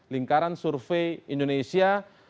lingkaran survei indonesia